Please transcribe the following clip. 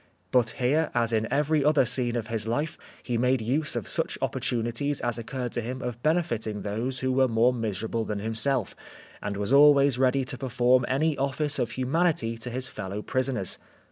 But here, as in every other scene of his life, he made use of such opportunities as oc curred to him of benefiting those who were more miserable than himself, and was always ready to perform any office of humanity to his fellow prisoners."